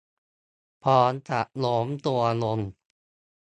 พร้อมกับโน้มตัวลง